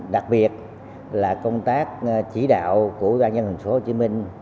đặc biệt là công tác chỉ đạo của ban nhân hình số hồ chí minh